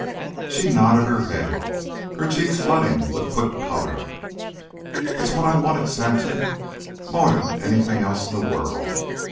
She nodded her head, her cheeks flooding with quick color. "It's what I wanted, Saxon, more'n anything else in the world.